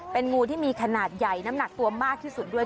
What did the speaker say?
เป็นงูที่มีขนาดใหญ่น้ำหนักตัวมากที่สุดด้วย